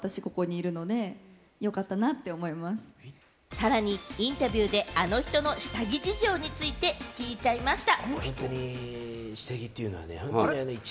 さらにインタビューであの人の下着事情について聞いちゃいました。